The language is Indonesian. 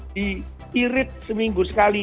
diirit seminggu sekali